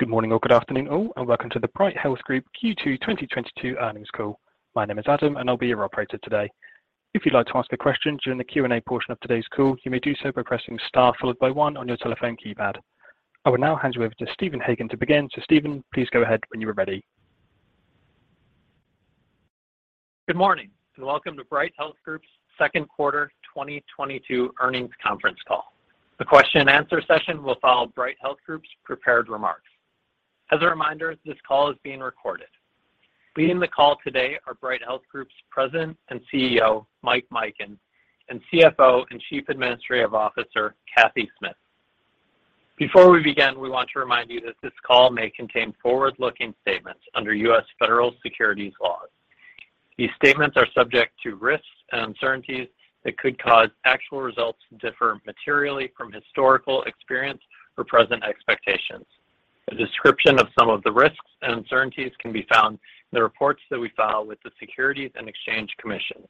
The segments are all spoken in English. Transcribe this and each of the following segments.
Good morning or good afternoon all, and welcome to the Bright Health Group Q2 2022 earnings call. My name is Adam, and I'll be your operator today. If you'd like to ask a question during the Q&A portion of today's call, you may do so by pressing star followed by one on your telephone keypad. I will now hand you over to Stephen Hagan to begin. Stephen, please go ahead when you are ready. Good morning, and welcome to Bright Health Group's second quarter 2022 earnings conference call. The question and answer session will follow Bright Health Group's prepared remarks. As a reminder, this call is being recorded. Leading the call today are Bright Health Group's President and CEO, Mike Mikan, and CFO and Chief Administrative Officer, Cathy Smith. Before we begin, we want to remind you that this call may contain forward-looking statements under U.S. federal securities laws. These statements are subject to risks and uncertainties that could cause actual results to differ materially from historical experience or present expectations. A description of some of the risks and uncertainties can be found in the reports that we file with the Securities and Exchange Commission,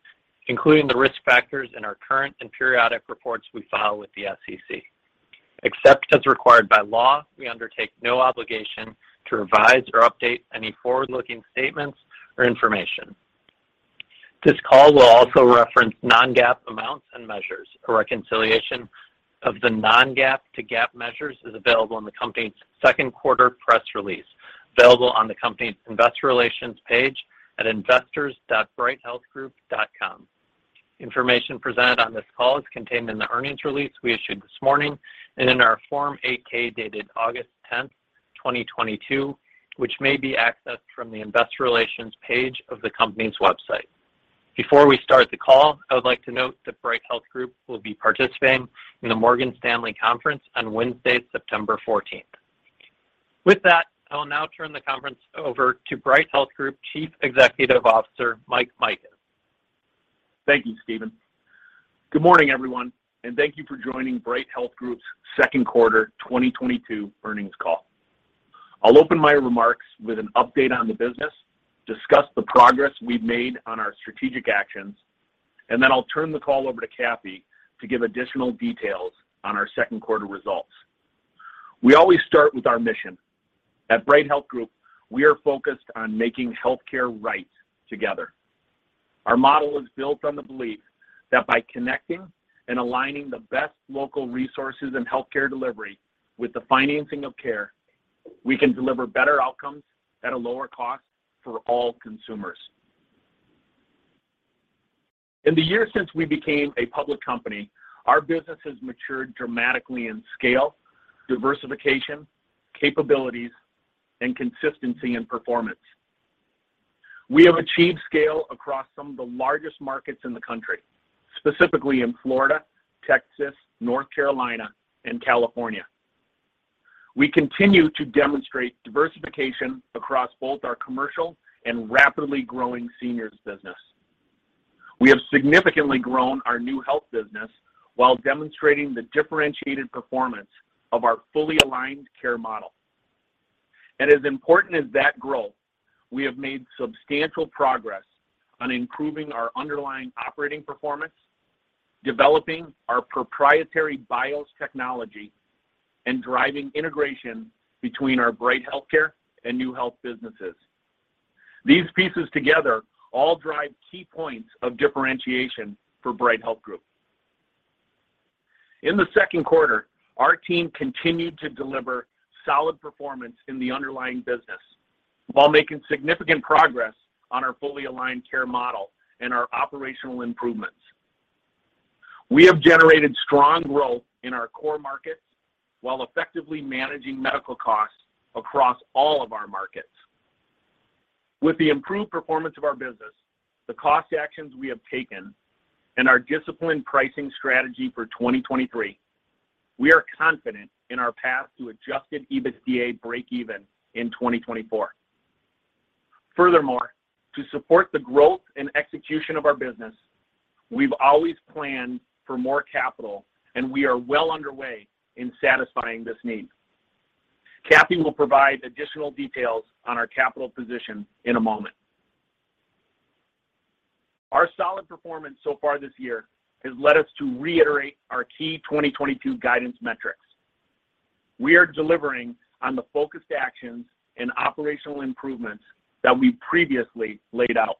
including the risk factors in our current and periodic reports we file with the SEC. Except as required by law, we undertake no obligation to revise or update any forward-looking statements or information. This call will also reference non-GAAP amounts and measures. A reconciliation of the non-GAAP to GAAP measures is available in the company's second quarter press release, available on the company's investor relations page at investors.brighthealthgroup.com. Information presented on this call is contained in the earnings release we issued this morning and in our Form 8-K dated August 10th, 2022, which may be accessed from the investor relations page of the company's website. Before we start the call, I would like to note that Bright Health Group will be participating in the Morgan Stanley Conference on Wednesday, September 14. With that, I will now turn the conference over to Bright Health Group Chief Executive Officer, Mike Mikan. Thank you, Stephen. Good morning, everyone, and thank you for joining Bright Health Group's second quarter 2022 earnings call. I'll open my remarks with an update on the business, discuss the progress we've made on our strategic actions, and then I'll turn the call over to Cathy to give additional details on our second quarter results. We always start with our mission. At Bright Health Group, we are focused on making healthcare right together. Our model is built on the belief that by connecting and aligning the best local resources in healthcare delivery with the financing of care, we can deliver better outcomes at a lower cost for all consumers. In the years since we became a public company, our business has matured dramatically in scale, diversification, capabilities, and consistency in performance. We have achieved scale across some of the largest markets in the country, specifically in Florida, Texas, North Carolina, and California. We continue to demonstrate diversification across both our commercial and rapidly growing seniors business. We have significantly grown our NeueHealth business while demonstrating the differentiated performance of our fully aligned care model. As important as that growth, we have made substantial progress on improving our underlying operating performance, developing our proprietary BiOS technology, and driving integration between our Bright HealthCare and NeueHealth businesses. These pieces together all drive key points of differentiation for Bright Health Group. In the second quarter, our team continued to deliver solid performance in the underlying business while making significant progress on our fully aligned care model and our operational improvements. We have generated strong growth in our core markets while effectively managing medical costs across all of our markets. With the improved performance of our business, the cost actions we have taken, and our disciplined pricing strategy for 2023, we are confident in our path to Adjusted EBITDA breakeven in 2024. Furthermore, to support the growth and execution of our business, we've always planned for more capital, and we are well underway in satisfying this need. Cathy will provide additional details on our capital position in a moment. Our solid performance so far this year has led us to reiterate our key 2022 guidance metrics. We are delivering on the focused actions and operational improvements that we previously laid out.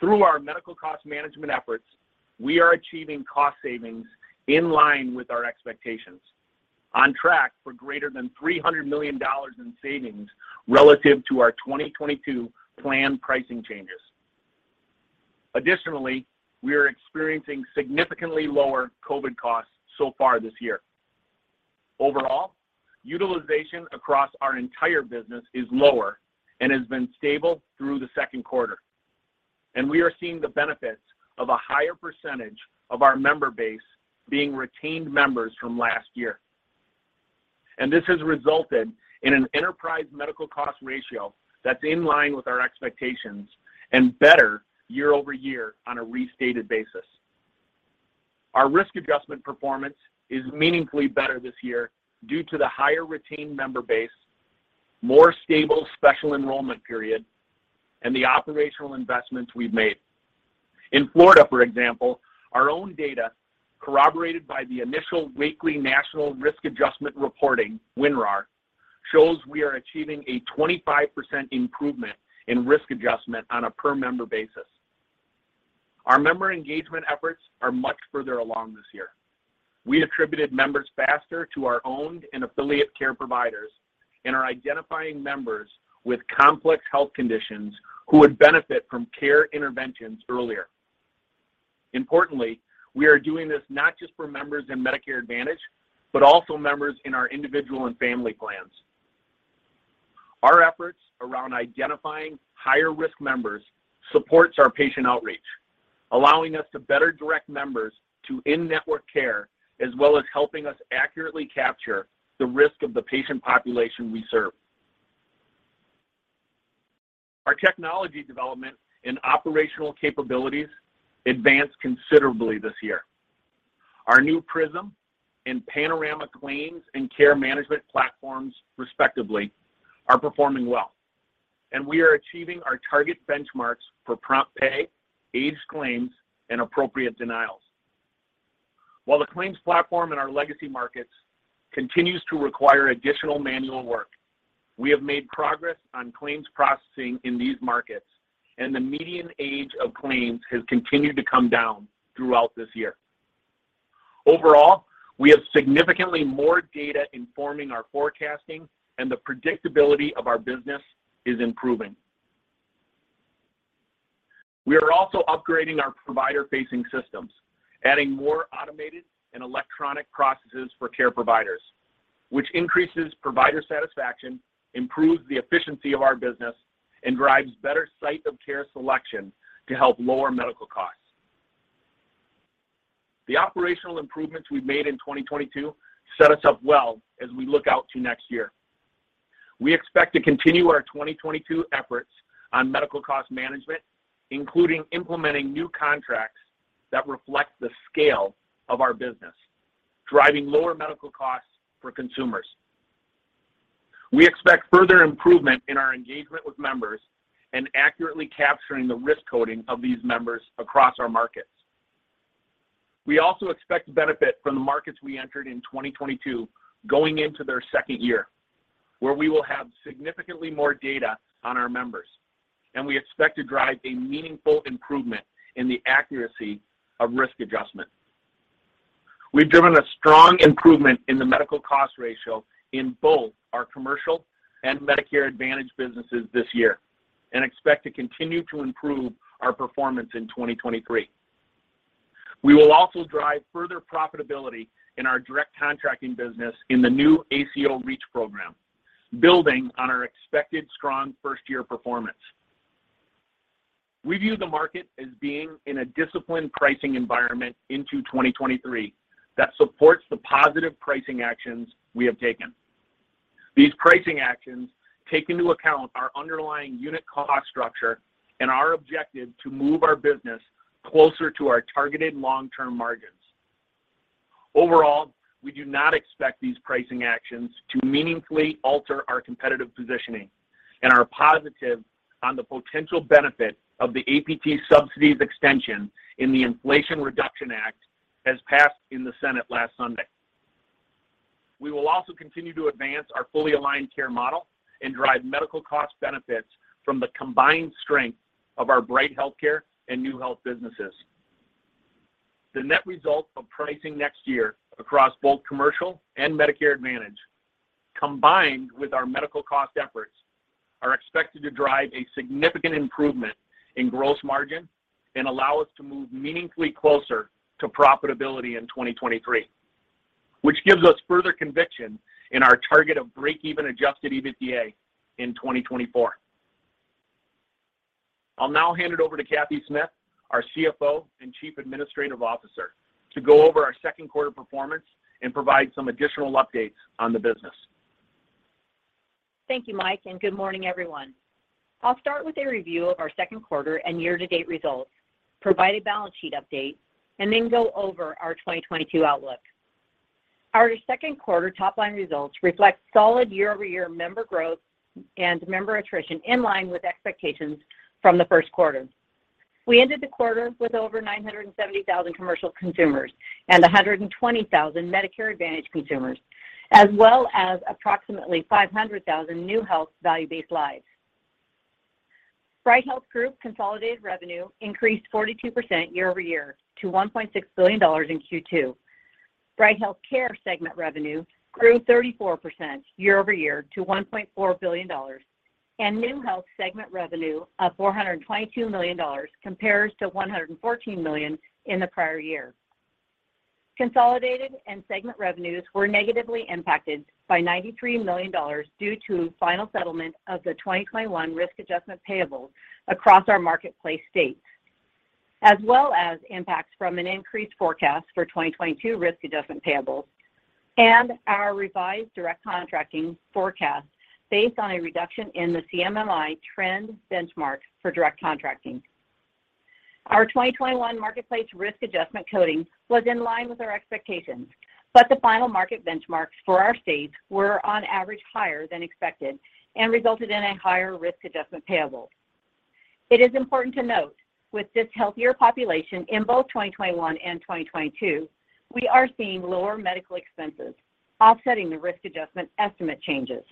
Through our medical cost management efforts, we are achieving cost savings in line with our expectations, on track for greater than $300 million in savings relative to our 2022 planned pricing changes. Additionally, we are experiencing significantly lower COVID costs so far this year. Overall, utilization across our entire business is lower and has been stable through the second quarter. We are seeing the benefits of a higher percentage of our member base being retained members from last year. This has resulted in an enterprise medical cost ratio that's in line with our expectations and better year-over-year on a restated basis. Our risk adjustment performance is meaningfully better this year due to the higher retained member base, more stable special enrollment period, and the operational investments we've made. In Florida, for example, our own data corroborated by the initial Wakely National Risk Adjustment Reporting, WNRAR, shows we are achieving a 25% improvement in risk adjustment on a per member basis. Our member engagement efforts are much further along this year. We attributed members faster to our owned and affiliate care providers and are identifying members with complex health conditions who would benefit from care interventions earlier. Importantly, we are doing this not just for members in Medicare Advantage, but also members in our individual and family plans. Our efforts around identifying higher-risk members supports our patient outreach, allowing us to better direct members to in-network care, as well as helping us accurately capture the risk of the patient population we serve. Our technology development and operational capabilities advanced considerably this year. Our new Prism and Panorama claims and care management platforms, respectively, are performing well, and we are achieving our target benchmarks for prompt pay, aged claims, and appropriate denials. While the claims platform in our legacy markets continues to require additional manual work, we have made progress on claims processing in these markets, and the median age of claims has continued to come down throughout this year. Overall, we have significantly more data informing our forecasting, and the predictability of our business is improving. We are also upgrading our provider-facing systems, adding more automated and electronic processes for care providers, which increases provider satisfaction, improves the efficiency of our business, and drives better site of care selection to help lower medical costs. The operational improvements we've made in 2022 set us up well as we look out to next year. We expect to continue our 2022 efforts on medical cost management, including implementing new contracts that reflect the scale of our business, driving lower medical costs for consumers. We expect further improvement in our engagement with members and accurately capturing the risk coding of these members across our markets. We also expect to benefit from the markets we entered in 2022 going into their second year, where we will have significantly more data on our members, and we expect to drive a meaningful improvement in the accuracy of risk adjustment. We've driven a strong improvement in the medical cost ratio in both our commercial and Medicare Advantage businesses this year and expect to continue to improve our performance in 2023. We will also drive further profitability in our direct contracting business in the new ACO REACH program, building on our expected strong first-year performance. We view the market as being in a disciplined pricing environment into 2023 that supports the positive pricing actions we have taken. These pricing actions take into account our underlying unit cost structure and our objective to move our business closer to our targeted long-term margins. Overall, we do not expect these pricing actions to meaningfully alter our competitive positioning and are positive on the potential benefit of the APT subsidies extension in the Inflation Reduction Act as passed in the Senate last Sunday. We will also continue to advance our fully aligned care model and drive medical cost benefits from the combined strength of our Bright HealthCare and NeueHealth businesses. The net result of pricing next year across both commercial and Medicare Advantage, combined with our medical cost efforts, are expected to drive a significant improvement in gross margin and allow us to move meaningfully closer to profitability in 2023, which gives us further conviction in our target of break-even Adjusted EBITDA in 2024. I'll now hand it over to Cathy Smith, our CFO and Chief Administrative Officer, to go over our second quarter performance and provide some additional updates on the business. Thank you, Mike, and good morning, everyone. I'll start with a review of our second quarter and year-to-date results, provide a balance sheet update, and then go over our 2022 outlook. Our second quarter top-line results reflect solid year-over-year member growth and member attrition in line with expectations from the first quarter. We ended the quarter with over 970,000 commercial consumers and 120,000 Medicare Advantage consumers, as well as approximately 500,000 NeueHealth value-based lives. Bright Health Group consolidated revenue increased 42% year-over-year to $1.6 billion in Q2. Bright HealthCare segment revenue grew 34% year-over-year to $1.4 billion, and NeueHealth segment revenue of $422 million compares to $114 million in the prior year. Consolidated and segment revenues were negatively impacted by $93 million due to final settlement of the 2021 risk adjustment payables across our marketplace states, as well as impacts from an increased forecast for 2022 risk adjustment payables and our revised direct contracting forecast based on a reduction in the CMMI trend benchmark for direct contracting. Our 2021 marketplace risk adjustment coding was in line with our expectations, but the final market benchmarks for our states were on average higher than expected and resulted in a higher risk adjustment payable. It is important to note with this healthier population in both 2021 and 2022, we are seeing lower medical expenses offsetting the risk adjustment estimate changes.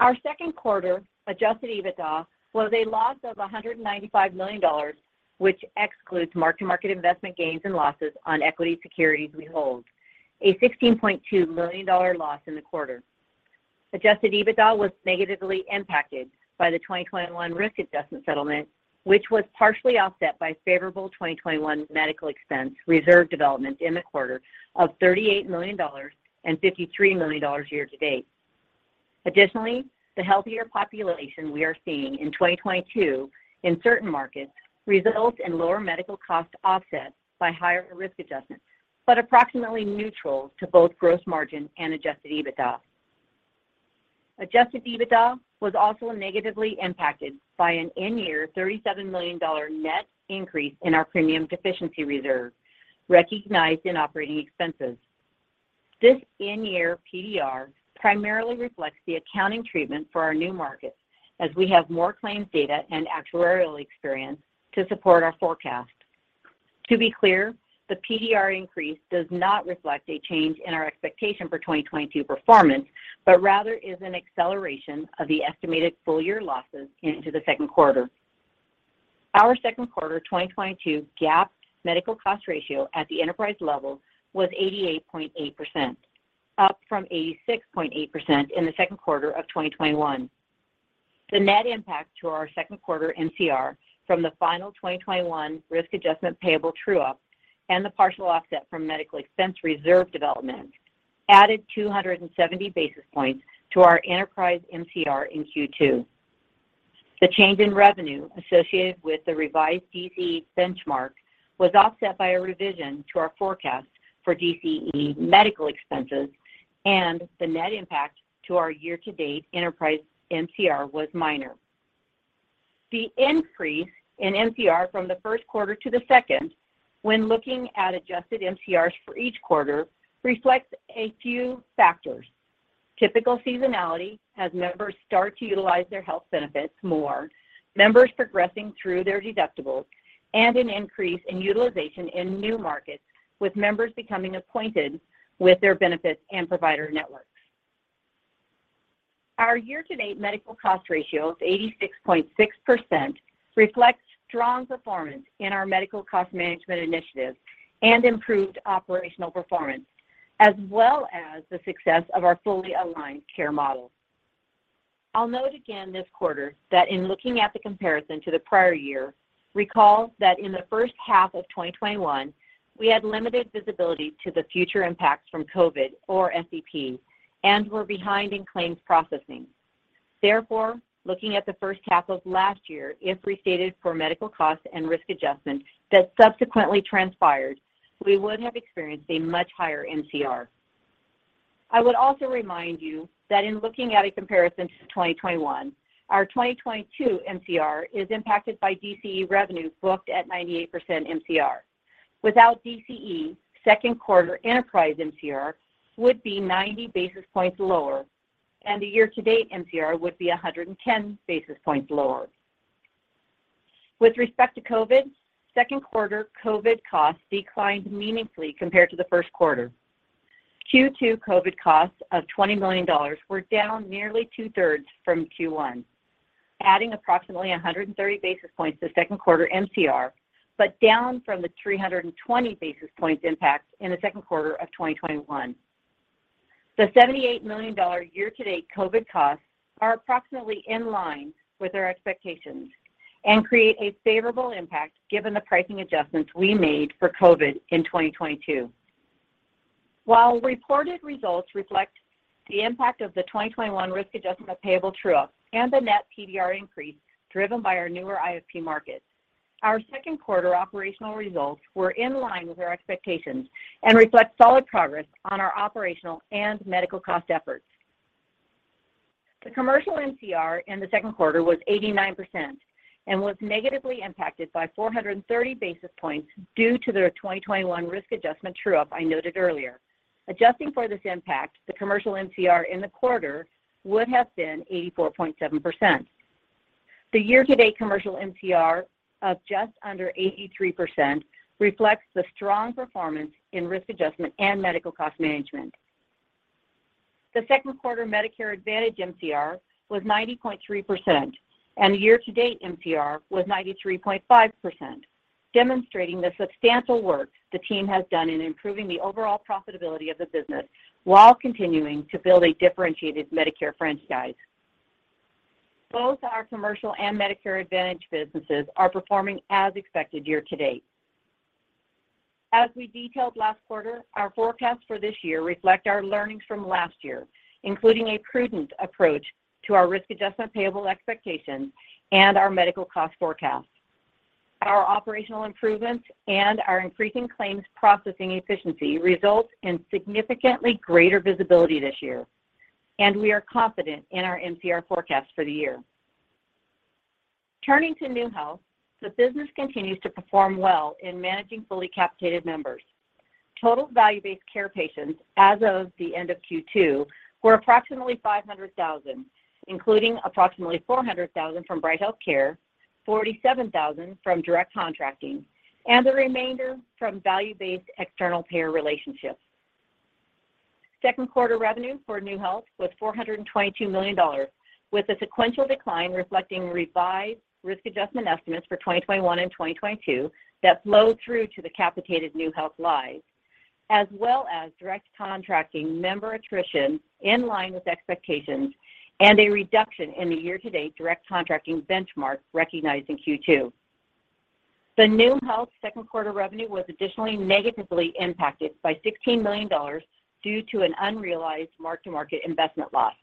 Our second quarter Adjusted EBITDA was a loss of $195 million, which excludes mark-to-market investment gains and losses on equity securities we hold, a $16.2 million loss in the quarter. Adjusted EBITDA was negatively impacted by the 2021 risk adjustment settlement, which was partially offset by favorable 2021 medical expense reserve development in the quarter of $38 million and $53 million year-to-date. Additionally, the healthier population we are seeing in 2022 in certain markets results in lower medical cost offset by higher risk adjustments, but approximately neutral to both gross margin and Adjusted EBITDA. Adjusted EBITDA was also negatively impacted by an in-year $37 million net increase in our premium deficiency reserve recognized in operating expenses. This in-year PDR primarily reflects the accounting treatment for our new markets as we have more claims data and actuarial experience to support our forecast. To be clear, the PDR increase does not reflect a change in our expectation for 2022 performance, but rather is an acceleration of the estimated full year losses into the second quarter. Our second quarter 2022 GAAP medical cost ratio at the enterprise level was 88.8%, up from 86.8% in the second quarter of 2021. The net impact to our second quarter MCR from the final 2021 risk adjustment payable true-up and the partial offset from medical expense reserve development added 270 basis points to our enterprise MCR in Q2. The change in revenue associated with the revised DCE benchmark was offset by a revision to our forecast for DCE medical expenses, and the net impact to our year-to-date enterprise MCR was minor. The increase in MCR from the first quarter to the second when looking at adjusted MCRs for each quarter reflects a few factors. Typical seasonality as members start to utilize their health benefits more, members progressing through their deductibles, and an increase in utilization in new markets with members becoming acquainted with their benefits and provider networks. Our year-to-date medical cost ratio of 86.6% reflects strong performance in our medical cost management initiatives and improved operational performance, as well as the success of our fully aligned care models. I'll note again this quarter that in looking at the comparison to the prior year, recall that in the first half of 2021, we had limited visibility to the future impacts from COVID or SEP and were behind in claims processing. Therefore, looking at the first half of last year, if restated for medical costs and risk adjustment that subsequently transpired, we would have experienced a much higher MCR. I would also remind you that in looking at a comparison to 2021, our 2022 MCR is impacted by DCE revenue booked at 98% MCR. Without DCE, second quarter enterprise MCR would be 90 basis points lower, and the year-to-date MCR would be 110 basis points lower. With respect to COVID, second quarter COVID costs declined meaningfully compared to the first quarter. Q2 COVID costs of $20 million were down nearly 2/3 from Q1, adding approximately 130 basis points to second quarter MCR, but down from the 320 basis points impact in the second quarter of 2021. The $78 million year-to-date COVID costs are approximately in line with our expectations and create a favorable impact given the pricing adjustments we made for COVID in 2022. While reported results reflect the impact of the 2021 risk adjustment payable true-up and the net PDR increase driven by our newer IFP markets, our second quarter operational results were in line with our expectations and reflect solid progress on our operational and medical cost efforts. The commercial MCR in the second quarter was 89% and was negatively impacted by 430 basis points due to the 2021 risk adjustment true-up I noted earlier. Adjusting for this impact, the commercial MCR in the quarter would have been 84.7%. The year-to-date commercial MCR of just under 83% reflects the strong performance in risk adjustment and medical cost management. The second quarter Medicare Advantage MCR was 90.3%, and the year-to-date MCR was 93.5%, demonstrating the substantial work the team has done in improving the overall profitability of the business while continuing to build a differentiated Medicare franchise. Both our commercial and Medicare Advantage businesses are performing as expected year-to-date. As we detailed last quarter, our forecasts for this year reflect our learnings from last year, including a prudent approach to our risk adjustment payable expectations and our medical cost forecast. Our operational improvements and our increasing claims processing efficiency result in significantly greater visibility this year, and we are confident in our MCR forecast for the year. Turning to NeueHealth, the business continues to perform well in managing fully capitated members. Total value-based care patients as of the end of Q2 were approximately 500,000, including approximately 400,000 from Bright HealthCare, 47,000 from direct contracting, and the remainder from value-based external payer relationships. Second quarter revenue for NeueHealth was $422 million, with a sequential decline reflecting revised risk adjustment estimates for 2021 and 2022 that flowed through to the capitated NeueHealth lives, as well as direct contracting member attrition in line with expectations and a reduction in the year-to-date direct contracting benchmark recognized in Q2. The NeueHealth second quarter revenue was additionally negatively impacted by $16 million due to an unrealized mark-to-market investment loss.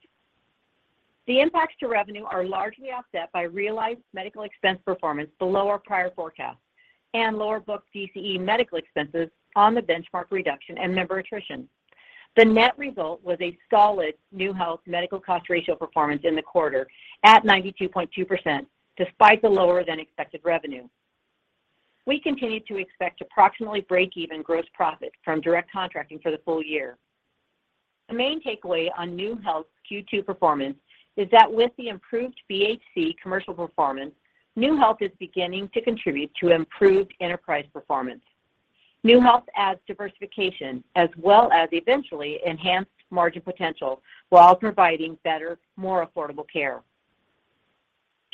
The impacts to revenue are largely offset by realized medical expense performance below our prior forecast and lower book DCE medical expenses on the benchmark reduction and member attrition. The net result was a solid NeueHealth medical cost ratio performance in the quarter at 92.2% despite the lower than expected revenue. We continue to expect approximately break even gross profit from direct contracting for the full year. The main takeaway on NeueHealth's Q2 performance is that with the improved BHC commercial performance, NeueHealth is beginning to contribute to improved enterprise performance. NeueHealth adds diversification as well as eventually enhanced margin potential while providing better, more affordable care.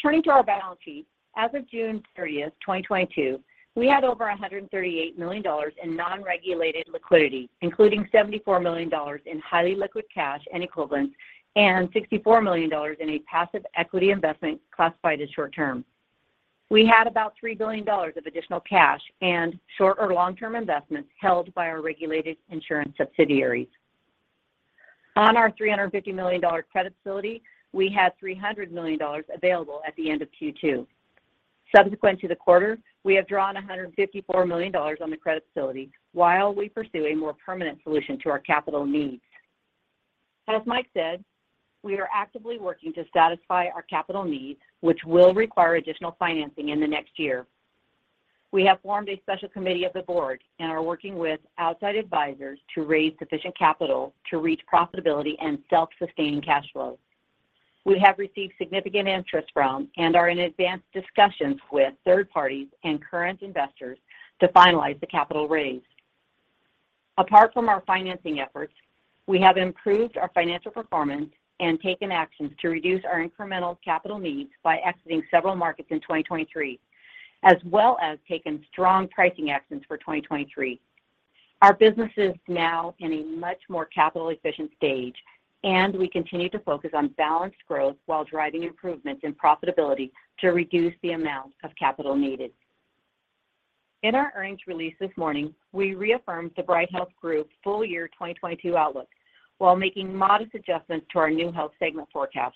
Turning to our balance sheet, as of June 30th, 2022, we had over $138 million in non-regulated liquidity, including $74 million in highly liquid cash and equivalents and $64 million in a passive equity investment classified as short term. We had about $3 billion of additional cash and short or long-term investments held by our regulated insurance subsidiaries. On our $350 million credit facility, we had $300 million available at the end of Q2. Subsequent to the quarter, we have drawn $154 million on the credit facility while we pursue a more permanent solution to our capital needs. As Mike said, we are actively working to satisfy our capital needs, which will require additional financing in the next year. We have formed a special committee of the board and are working with outside advisors to raise sufficient capital to reach profitability and self-sustaining cash flow. We have received significant interest from and are in advanced discussions with third parties and current investors to finalize the capital raise. Apart from our financing efforts, we have improved our financial performance and taken actions to reduce our incremental capital needs by exiting several markets in 2023, as well as taken strong pricing actions for 2023. Our business is now in a much more capital efficient stage, and we continue to focus on balanced growth while driving improvements in profitability to reduce the amount of capital needed. In our earnings release this morning, we reaffirmed the Bright Health Group full year 2022 outlook while making modest adjustments to our NeueHealth segment forecast.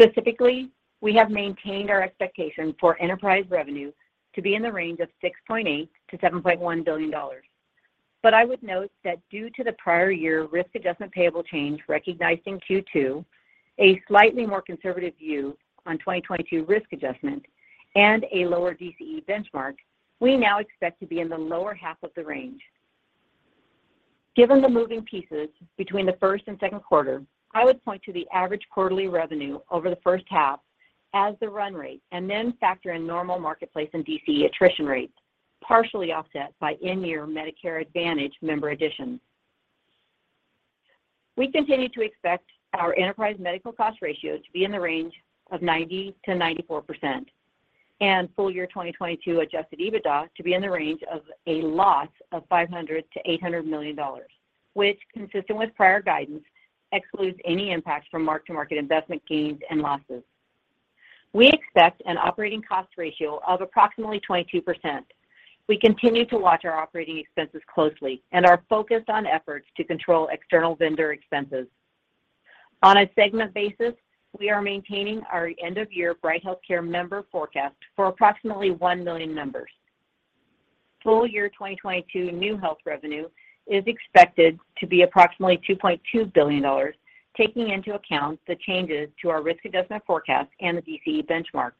Specifically, we have maintained our expectation for enterprise revenue to be in the range of $6.8 billion-$7.1 billion. I would note that due to the prior year risk adjustment payable change recognized in Q2, a slightly more conservative view on 2022 risk adjustment and a lower DCE benchmark, we now expect to be in the lower half of the range. Given the moving pieces between the first and second quarter, I would point to the average quarterly revenue over the first half as the run rate and then factor in normal marketplace and DCE attrition rates, partially offset by in-year Medicare Advantage member additions. We continue to expect our enterprise medical cost ratio to be in the range of 90%-94% and full year 2022 Adjusted EBITDA to be in the range of a loss of $500 million-$800 million, which consistent with prior guidance excludes any impact from mark-to-market investment gains and losses. We expect an operating cost ratio of approximately 22%. We continue to watch our operating expenses closely and are focused on efforts to control external vendor expenses. On a segment basis, we are maintaining our end-of-year Bright HealthCare member forecast for approximately 1 million members. Full-year 2022 NeueHealth revenue is expected to be approximately $2.2 billion, taking into account the changes to our risk adjustment forecast and the DCE benchmark.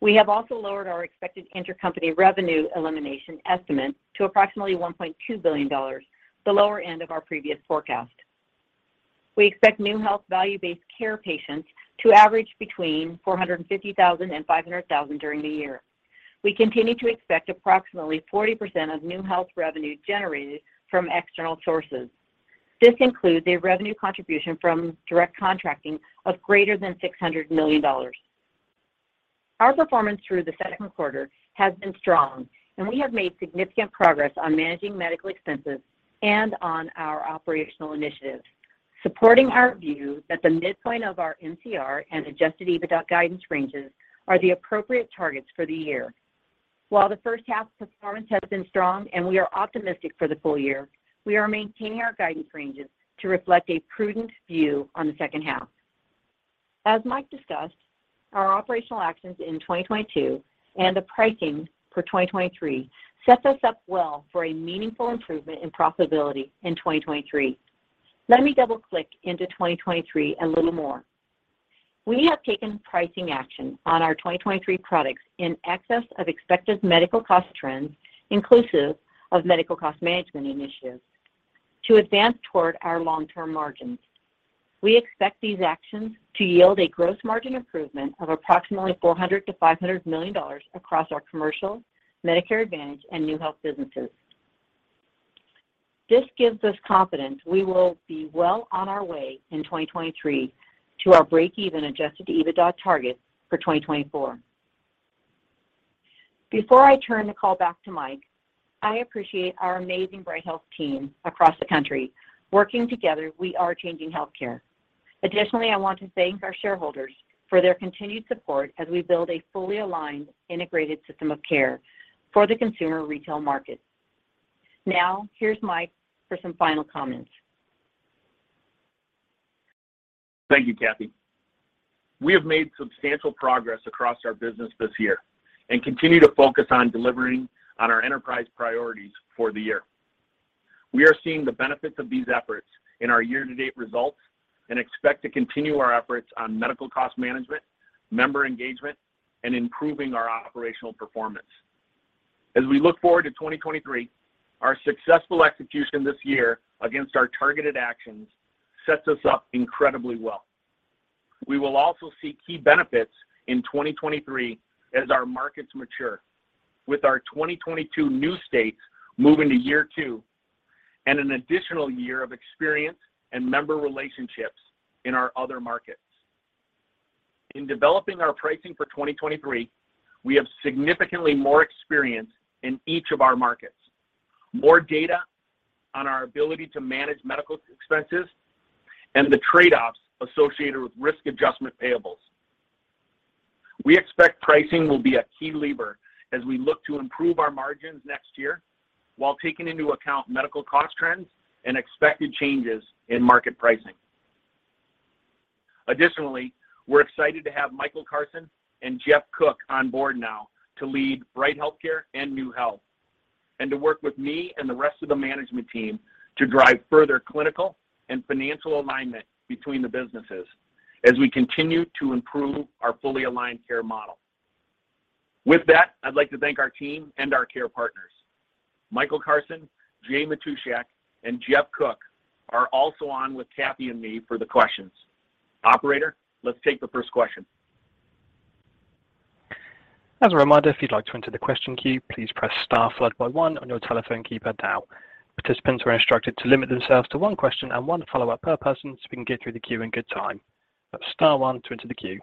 We have also lowered our expected intercompany revenue elimination estimate to approximately $1.2 billion, the lower end of our previous forecast. We expect NeueHealth value-based care patients to average between 450,000 and 500,000 during the year. We continue to expect approximately 40% of NeueHealth revenue generated from external sources. This includes a revenue contribution from direct contracting of greater than $600 million. Our performance through the second quarter has been strong, and we have made significant progress on managing medical expenses and on our operational initiatives, supporting our view that the midpoint of our MCR and Adjusted EBITDA guidance ranges are the appropriate targets for the year. While the first half performance has been strong and we are optimistic for the full year, we are maintaining our guidance ranges to reflect a prudent view on the second half. As Mike discussed, our operational actions in 2022 and the pricing for 2023 set us up well for a meaningful improvement in profitability in 2023. Let me double click into 2023 a little more. We have taken pricing action on our 2023 products in excess of expected medical cost trends, inclusive of medical cost management initiatives to advance toward our long-term margins. We expect these actions to yield a gross margin improvement of approximately $400 million-$500 million across our commercial, Medicare Advantage, and NeueHealth businesses. This gives us confidence we will be well on our way in 2023 to our breakeven Adjusted EBITDA targets for 2024. Before I turn the call back to Mike, I appreciate our amazing Bright Health team across the country. Working together, we are changing healthcare. Additionally, I want to thank our shareholders for their continued support as we build a fully aligned integrated system of care for the consumer retail market. Now, here's Mike for some final comments. Thank you, Cathy. We have made substantial progress across our business this year and continue to focus on delivering on our enterprise priorities for the year. We are seeing the benefits of these efforts in our year-to-date results and expect to continue our efforts on medical cost management, member engagement, and improving our operational performance. As we look forward to 2023, our successful execution this year against our targeted actions sets us up incredibly well. We will also see key benefits in 2023 as our markets mature, with our 2022 new states moving to year two and an additional year of experience and member relationships in our other markets. In developing our pricing for 2023, we have significantly more experience in each of our markets, more data on our ability to manage medical expenses, and the trade-offs associated with risk adjustment payables. We expect pricing will be a key lever as we look to improve our margins next year while taking into account medical cost trends and expected changes in market pricing. Additionally, we're excited to have Michael Carson and Jeff Cook on board now to lead Bright HealthCare and NeueHealth, and to work with me and the rest of the management team to drive further clinical and financial alignment between the businesses as we continue to improve our fully aligned care model. With that, I'd like to thank our team and our care partners. Michael Carson, Jay Matushak, and Jeff Cook are also on with Cathy and me for the questions. Operator, let's take the first question. As a reminder, if you'd like to enter the question queue, please press star followed by one on your telephone keypad now. Participants are instructed to limit themselves to one question and one follow-up per person so we can get through the queue in good time. That's star one to enter the queue.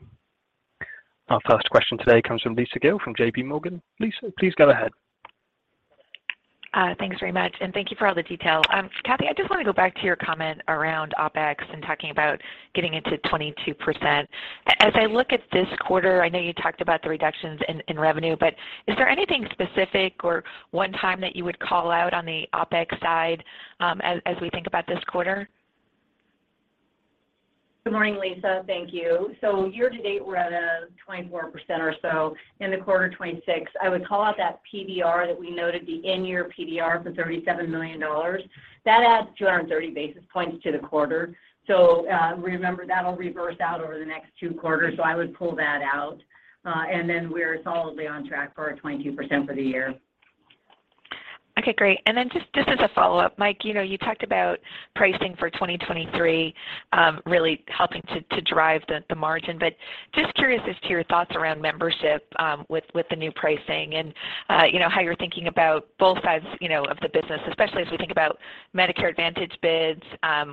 Our first question today comes from Lisa Gill from J.P. Morgan. Lisa, please go ahead. Thanks very much, and thank you for all the detail. Cathy, I just want to go back to your comment around OpEx and talking about getting into 22%. As I look at this quarter, I know you talked about the reductions in revenue, but is there anything specific or one time that you would call out on the OpEx side, as we think about this quarter? Good morning, Lisa. Thank you. year-to-date, we're at 24% or so. In the quarter, 2026. I would call out that PDR that we noted, the in-year PDR for $37 million. That adds 230 basis points to the quarter. Remember, that'll reverse out over the next two quarters, so I would pull that out. We're solidly on track for our 22% for the year. Okay, great. Just as a follow-up, Mike, you know, you talked about pricing for 2023, really helping to drive the margin, but just curious as to your thoughts around membership, with the new pricing and, you know, how you're thinking about both sides, you know, of the business, especially as we think about Medicare Advantage bids,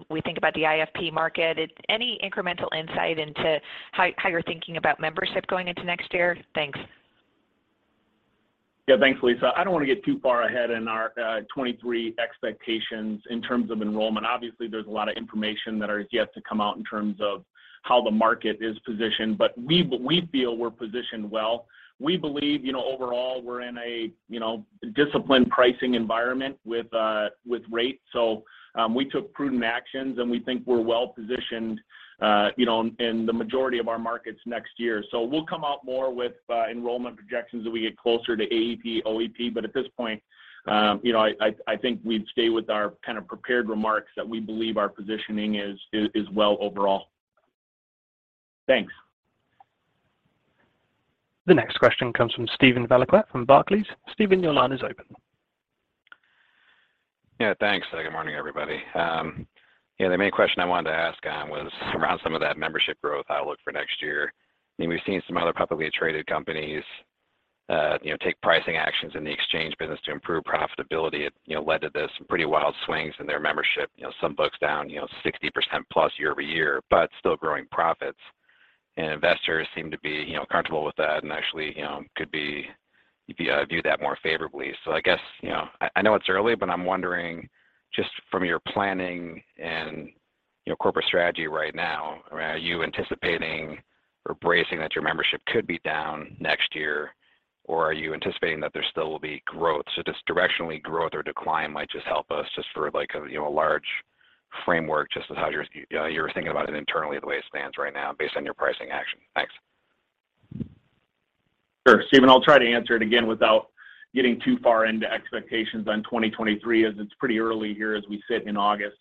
we think about the IFP market. Any incremental insight into how you're thinking about membership going into next year? Thanks. Yeah. Thanks, Lisa. I don't want to get too far ahead in our 2023 expectations in terms of enrollment. Obviously, there's a lot of information that is yet to come out in terms of how the market is positioned, but we feel we're positioned well. We believe, you know, overall, we're in a you know, disciplined pricing environment with rates. We took prudent actions, and we think we're well-positioned, you know, in the majority of our markets next year. We'll come out more with enrollment projections as we get closer to AEP, OEP. At this point, you know, I think we'd stay with our kind of prepared remarks that we believe our positioning is well overall. Thanks. The next question comes from Steven Valiquette from Barclays. Steven, your line is open. Yeah, thanks. Good morning, everybody. Yeah, the main question I wanted to ask on was around some of that membership growth outlook for next year. I mean, we've seen some other publicly traded companies take pricing actions in the exchange business to improve profitability. It led to this pretty wild swings in their membership. You know, some books down 60%+ year-over-year, but still growing profits. Investors seem to be comfortable with that and actually view that more favorably. I guess, I know it's early, but I'm wondering, just from your planning and corporate strategy right now, are you anticipating or bracing that your membership could be down next year, or are you anticipating that there still will be growth? Just directionally, growth or decline might just help us just for, like, you know, a large framework, just how you're thinking about it internally the way it stands right now based on your pricing action. Thanks. Sure, Steven, I'll try to answer it again without getting too far into expectations on 2023 as it's pretty early here as we sit in August.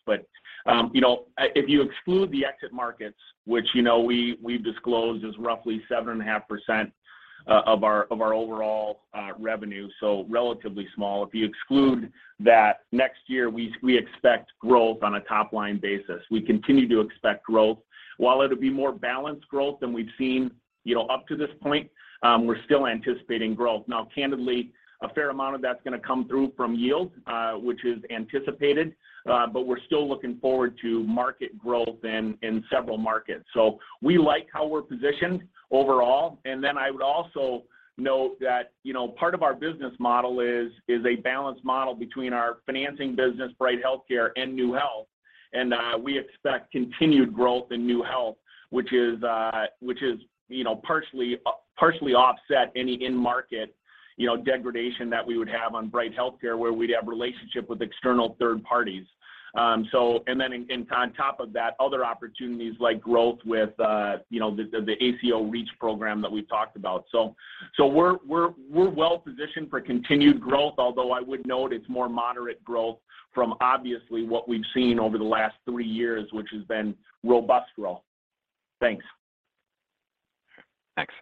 You know, if you exclude the exit markets, which, you know, we've disclosed is roughly 7.5% of our overall revenue, so relatively small. If you exclude that, next year we expect growth on a top-line basis. We continue to expect growth. While it'll be more balanced growth than we've seen, you know, up to this point, we're still anticipating growth. Now, candidly, a fair amount of that's gonna come through from yield, which is anticipated, but we're still looking forward to market growth in several markets. We like how we're positioned overall. Then I would also note that, you know, part of our business model is a balanced model between our financing business, Bright HealthCare and NeueHealth. We expect continued growth in NeueHealth, which is, you know, partially offset any in-market, you know, degradation that we would have on Bright HealthCare where we'd have relationship with external third parties. On top of that, other opportunities like growth with, you know, the ACO REACH program that we've talked about. We're well positioned for continued growth, although I would note it's more moderate growth from obviously what we've seen over the last three years, which has been robust growth. Thanks. Thanks.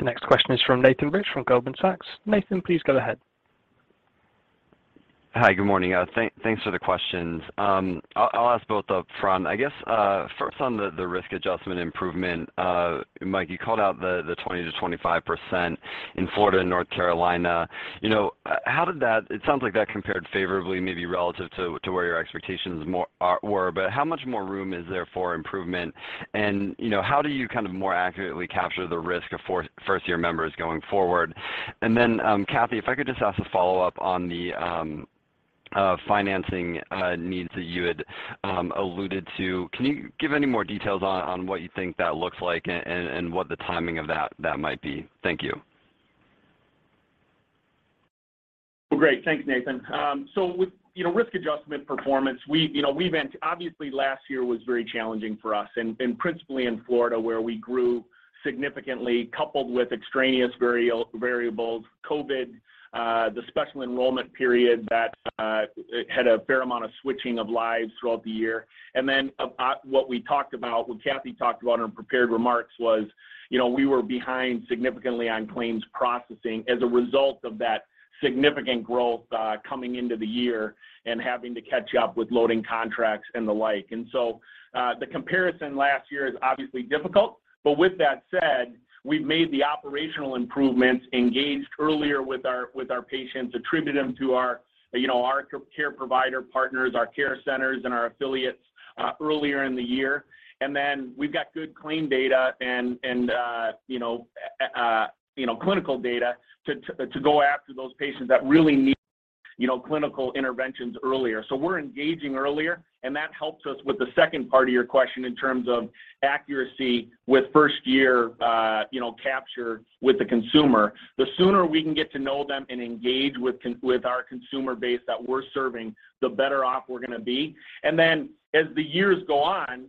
The next question is from Nathan Rich from Goldman Sachs. Nathan, please go ahead. Hi, good morning. Thanks for the questions. I'll ask both up front. I guess first on the risk adjustment improvement, Mike, you called out the 20%-25% in Florida and North Carolina. You know, how did that? It sounds like that compared favorably maybe relative to where your expectations were, but how much more room is there for improvement? You know, how do you kind of more accurately capture the risk of first year members going forward? Then, Cathy, if I could just ask a follow-up on the financing needs that you had alluded to. Can you give any more details on what you think that looks like and what the timing of that might be? Thank you. Well, great. Thanks, Nathan. With, you know, risk adjustment performance, we, you know, we've been obviously last year was very challenging for us, and principally in Florida, where we grew significantly, coupled with extraneous variables, COVID, the special enrollment period that had a fair amount of switching of lives throughout the year. Then, what we talked about, what Cathy talked about in her prepared remarks was, you know, we were behind significantly on claims processing as a result of that significant growth coming into the year and having to catch up with loading contracts and the like. The comparison last year is obviously difficult. With that said, we've made the operational improvements, engaged earlier with our patients, attributed them to our, you know, our care provider partners, our care centers, and our affiliates, earlier in the year. Then we've got good claim data and, you know, clinical data to go after those patients that really need, you know, clinical interventions earlier. We're engaging earlier, and that helps us with the second part of your question in terms of accuracy with first year capture with the consumer. The sooner we can get to know them and engage with our consumer base that we're serving, the better off we're gonna be. And then as the years go on,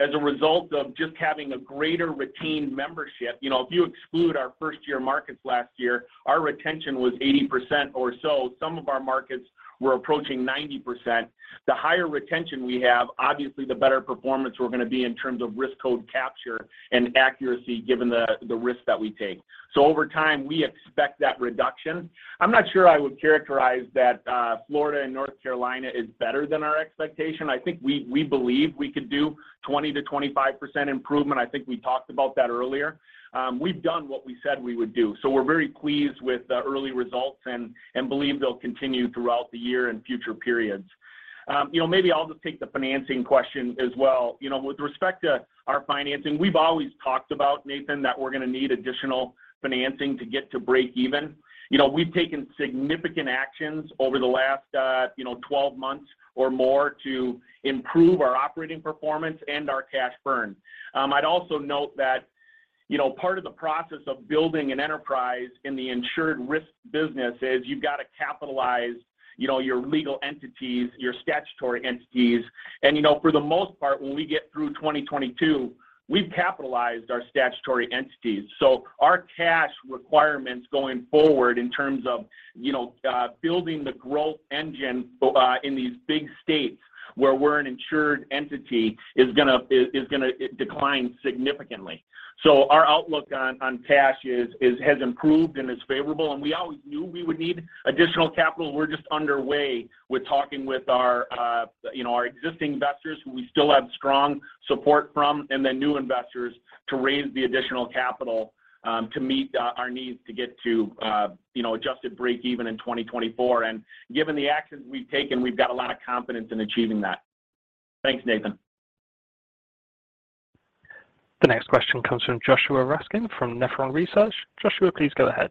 as a result of just having a greater retained membership, you know, if you exclude our first year markets last year, our retention was 80% or so. Some of our markets were approaching 90%. The higher retention we have, obviously, the better performance we're going to be in terms of risk code capture and accuracy given the risk that we take. So over time, we expect that reduction. I'm not sure I would characterize that Florida and North Carolina is better than our expectation. I think we believe we could do 20%-25% improvement. I think we talked about that earlier. We've done what we said we would do, so we're very pleased with the early results and believe they'll continue throughout the year and future periods. You know, maybe I'll just take the financing question as well. You know, with respect to our financing, we've always talked about, Nathan, that we're going to need additional financing to get to break even. You know, we've taken significant actions over the last, you know, 12 months or more to improve our operating performance and our cash burn. I'd also note that, you know, part of the process of building an enterprise in the insured risk business is you've got to capitalize, you know, your legal entities, your statutory entities. You know, for the most part, when we get through 2022, we've capitalized our statutory entities. Our cash requirements going forward in terms of, you know, building the growth engine, in these big states where we're an insured entity is gonna decline significantly. Our outlook on cash has improved and is favorable, and we always knew we would need additional capital. We're just underway with talking with our existing investors who we still have strong support from, and then new investors to raise the additional capital to meet our needs to get to adjusted break even in 2024. Given the actions we've taken, we've got a lot of confidence in achieving that. Thanks, Nathan. The next question comes from Joshua Raskin from Nephron Research. Joshua, please go ahead.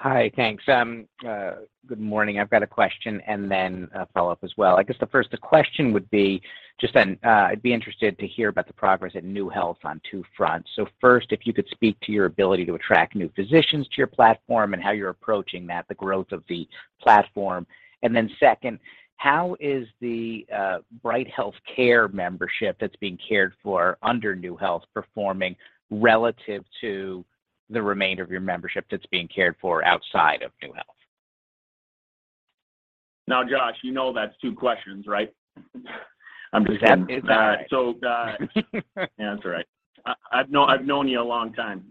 Hi. Thanks. Good morning. I've got a question and then a follow-up as well. I guess the question would be just then, I'd be interested to hear about the progress at NeueHealth on two fronts. First, if you could speak to your ability to attract new physicians to your platform and how you're approaching that, the growth of the platform. Second, how is the Bright HealthCare membership that's being cared for under NeueHealth performing relative to the remainder of your membership that's being cared for outside of NeueHealth? Now, Josh, you know that's two questions, right? It's all right. Yeah, that's all right. I've known you a long time.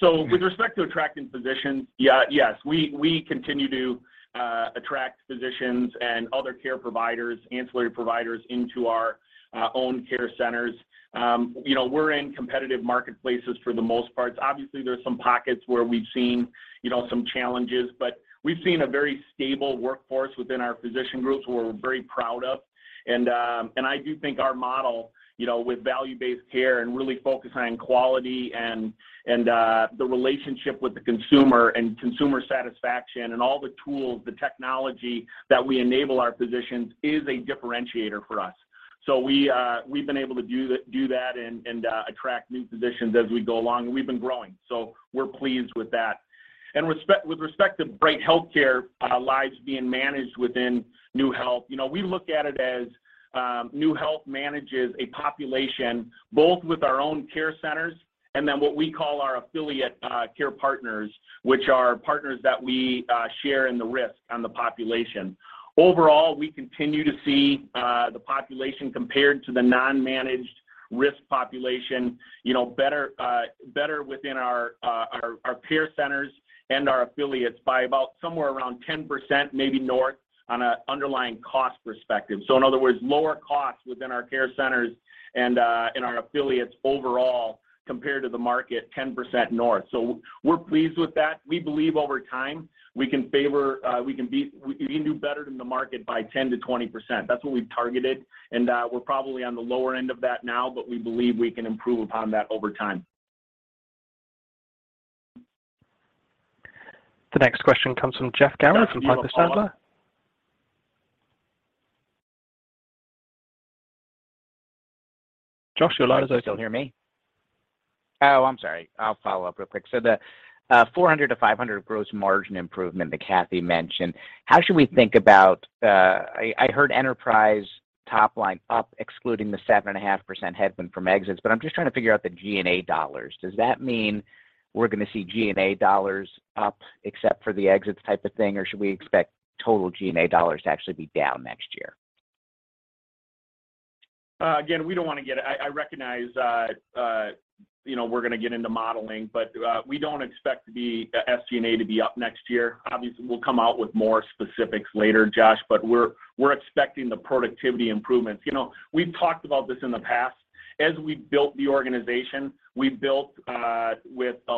With respect to attracting physicians, we continue to attract physicians and other care providers, ancillary providers into our own care centers. You know, we're in competitive marketplaces for the most part. Obviously, there are some pockets where we've seen, you know, some challenges, but we've seen a very stable workforce within our physician groups who we're very proud of. I do think our model, you know, with value-based care and really focusing on quality and the relationship with the consumer and consumer satisfaction and all the tools, the technology that we enable our physicians is a differentiator for us. We've been able to do that and attract new physicians as we go along, and we've been growing. We're pleased with that. With respect to Bright HealthCare lives being managed within NeueHealth, we look at it as NeueHealth manages a population both with our own care centers and then what we call our affiliate care partners, which are partners that we share in the risk on the population. Overall, we continue to see the population compared to the non-managed risk population better within our care centers and our affiliates by about somewhere around 10%, maybe north, on an underlying cost perspective. In other words, lower costs within our care centers and in our affiliates overall compared to the market 10% north. We're pleased with that. We believe over time, we can do better than the market by 10%-20%. That's what we've targeted, and we're probably on the lower end of that now, but we believe we can improve upon that over time. The next question comes from Jeff Garro from Piper Sandler. Jeff, you follow up. Josh, your line is open. Can you still hear me? Oh, I'm sorry. I'll follow up real quick. The 400%-500% gross margin improvement that Cathy mentioned, how should we think about? I heard enterprise top line up excluding the 7.5% headwind from exits, but I'm just trying to figure out the G&A dollars. Does that mean we're gonna see G&A dollars up except for the exits type of thing, or should we expect total G&A dollars to actually be down next year? Again, I recognize, you know, we're gonna get into modeling, but we don't expect the SG&A to be up next year. Obviously, we'll come out with more specifics later, Josh, but we're expecting the productivity improvements. You know, we've talked about this in the past. As we built the organization, we built with a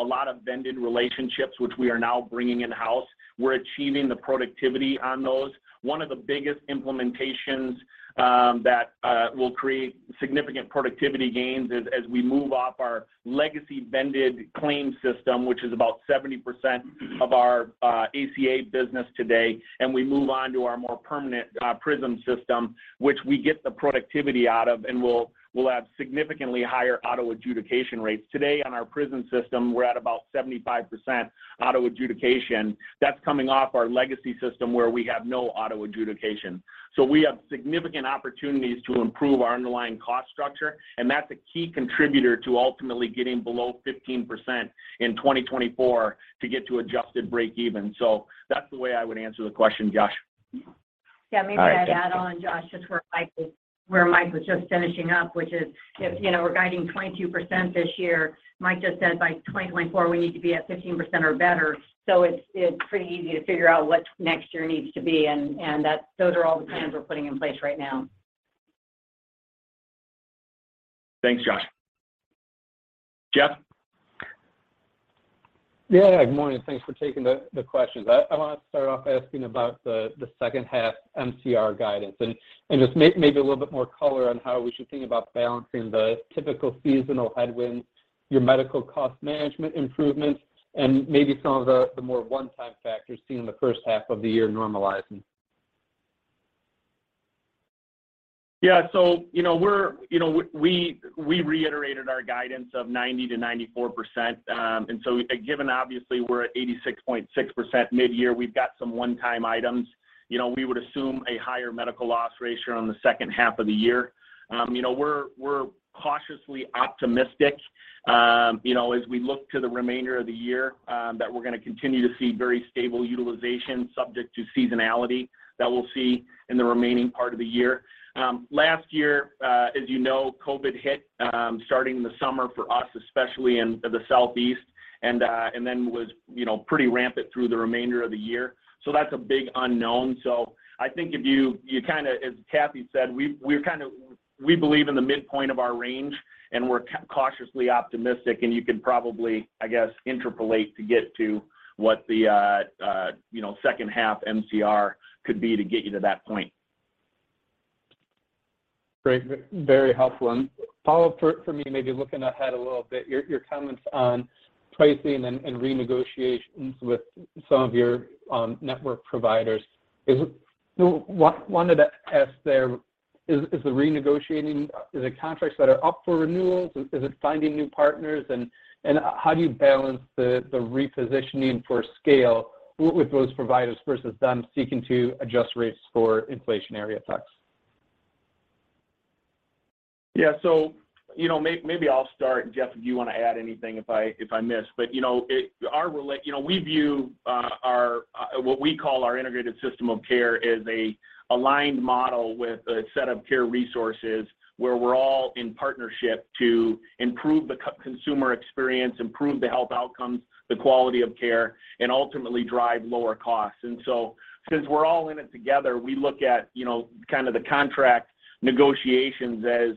lot of vended relationships, which we are now bringing in-house. We're achieving the productivity on those. One of the biggest implementations that will create significant productivity gains is as we move off our legacy vended claim system, which is about 70% of our ACA business today, and we move on to our more permanent Prism system, which we get the productivity out of, and we'll have significantly higher auto adjudication rates. Today, on our Prism system, we're at about 75% auto adjudication. That's coming off our legacy system, where we have no auto adjudication. We have significant opportunities to improve our underlying cost structure, and that's a key contributor to ultimately getting below 15% in 2024 to get to adjusted break even. That's the way I would answer the question, Josh. All right. Yeah, maybe I'd add on, Josh, just where Mike was just finishing up, which is if, you know, we're guiding 22% this year, Mike just said by 2024, we need to be at 15% or better. It's pretty easy to figure out what next year needs to be and those are all the plans we're putting in place right now. Thanks, Josh. Jeff? Yeah. Good morning. Thanks for taking the questions. I wanted to start off asking about the second half MCR guidance and just maybe a little bit more color on how we should think about balancing the typical seasonal headwinds, your medical cost management improvements, and maybe some of the more one-time factors seen in the first half of the year normalizing. Yeah. You know, we reiterated our guidance of 90%-94%. Given obviously we're at 86.6% mid-year, we've got some one-time items. You know, we would assume a higher medical loss ratio on the second half of the year. You know, we're cautiously optimistic, you know, as we look to the remainder of the year, that we're gonna continue to see very stable utilization subject to seasonality that we'll see in the remaining part of the year. Last year, as you know, COVID hit starting in the summer for us, especially in the Southeast, and then was pretty rampant through the remainder of the year. That's a big unknown. I think if you kinda... As Cathy said, we believe in the midpoint of our range, and we're cautiously optimistic, and you can probably, I guess, interpolate to get to what the, you know, second half MCR could be to get you to that point. Great. Very helpful. Follow up for me maybe looking ahead a little bit, your comments on pricing and renegotiations with some of your network providers. Wanted to ask there, is the renegotiating, is it contracts that are up for renewals? Is it finding new partners? How do you balance the repositioning for scale with those providers versus them seeking to adjust rates for inflationary effects? Yeah. You know, maybe I'll start, and Jeff, if you wanna add anything if I miss. You know, our relationship. You know, we view our what we call our integrated system of care as an aligned model with a set of care resources where we're all in partnership to improve the consumer experience, improve the health outcomes, the quality of care, and ultimately drive lower costs. Since we're all in it together, we look at you know kind of the contract negotiations as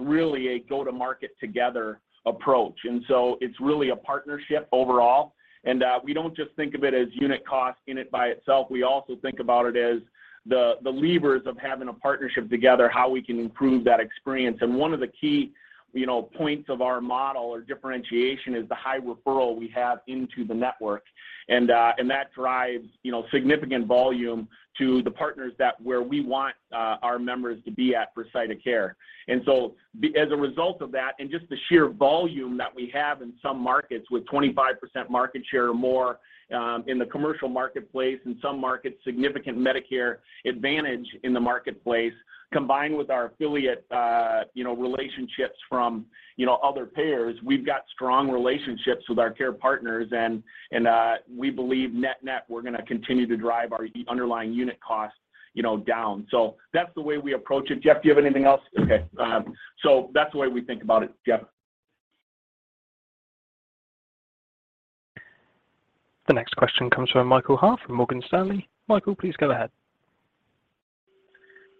really a go to market together approach. It's really a partnership overall, and we don't just think of it as unit cost in it by itself. We also think about it as the levers of having a partnership together, how we can improve that experience. One of the key, you know, points of our model or differentiation is the high referral we have into the network. That drives, you know, significant volume to the partners that where we want our members to be at for site of care. As a result of that and just the sheer volume that we have in some markets with 25% market share or more in the commercial marketplace, in some markets, significant Medicare Advantage in the marketplace, combined with our affiliate, you know, relationships from, you know, other payers, we've got strong relationships with our care partners and we believe net-net, we're gonna continue to drive our underlying unit costs, you know, down. That's the way we approach it. Jeff, do you have anything else? Okay. That's the way we think about it. Jeff? The next question comes from Michael Ha from Morgan Stanley. Michael, please go ahead.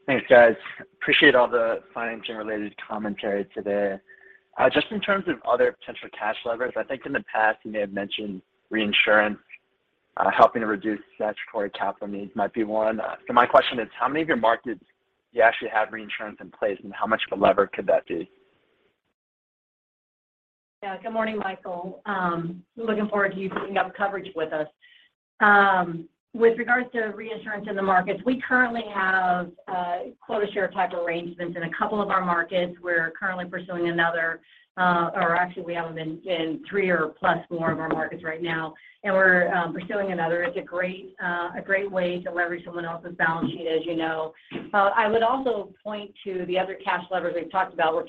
Thanks, guys. Appreciate all the financial related commentary today. Just in terms of other potential cash levers, I think in the past, you may have mentioned reinsurance, helping to reduce statutory capital needs might be one. My question is, how many of your markets do you actually have reinsurance in place, and how much of a lever could that be? Yeah. Good morning, Michael. Looking forward to you picking up coverage with us. With regards to reinsurance in the markets, we currently have quota share type arrangements in a couple of our markets. We're currently pursuing another, or actually we have them in three or plus more of our markets right now, and we're pursuing another. It's a great way to leverage someone else's balance sheet, as you know. I would also point to the other cash levers we've talked about. We're